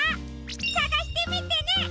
さがしてみてね！